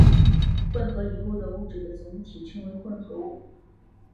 混合以后的物质的总体称作混合物。